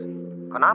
kita yang akan belajar